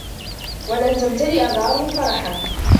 وَلَنْ تَمْتَلِئَ دَارٌ فَرَحًا